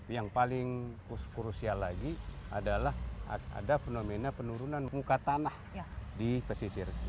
yang paling krusial lagi adalah ada fenomena penurunan muka tanah di pesisir